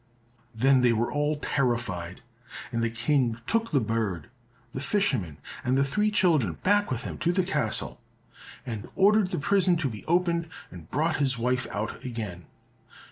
Then they were all terrified, and the King took the bird, the fisherman and the three children back with him to the castle, and ordered the prison to be opened and brought his wife out again.